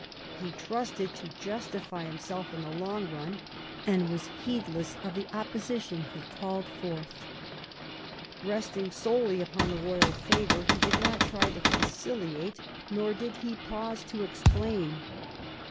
He trusted to justify himself in the long run, and was heedless of the opposition which he called forth. Resting solely upon the royal favour, he did not try to conciliate, nor did he pause to explain.